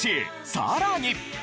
さらに。